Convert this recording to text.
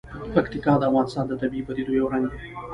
پکتیکا د افغانستان د طبیعي پدیدو یو رنګ دی.